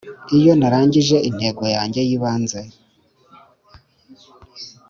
iyo narangije intego yanjye y'ibanze